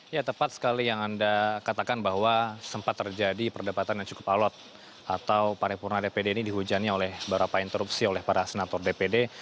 ya tepat sekali yang anda katakan bahwa sempat terjadi perdebatan yang cukup alot atau paripurna dpd ini dihujani oleh beberapa interupsi oleh para senator dpd